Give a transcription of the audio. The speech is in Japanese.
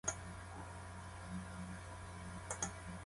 一人の隊員が動こうとしなかった。じっとしていた。